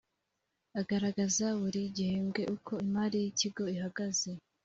agaragaza buri gihembwe uko imari y’ikigo ihagaze